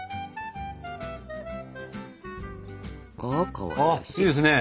ああいいですね！